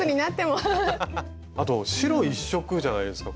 あと白１色じゃないですか今回。